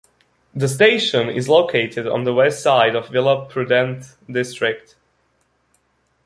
The station is located on the west side of Vila Prudente district.